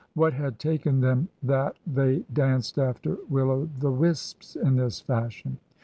What had taken them that they danced after will o' the wisps in this fashion